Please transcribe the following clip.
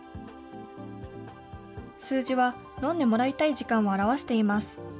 数字は飲んでもらいたい時間を表しています。